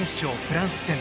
フランス戦。